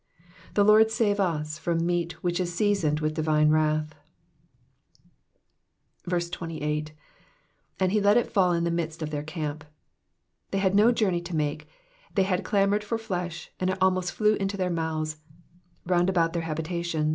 The Lord save us from meat which is seasoned with divine wrath. 28. ''^ And he let it faUin the midst of their camp.'*'* They had no journey to make ; they had clamoured for flesh, and it almost flew into their mouths, *^ round about their habitatpms.'